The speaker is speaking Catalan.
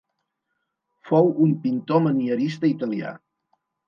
Fou un pintor manierista italià.